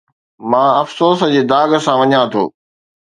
مان افسوس جي داغ سان وڃان ٿو